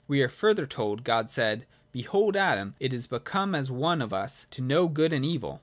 We are further told, God said, ' Behold Adam is become as one of us, to know good and evil.'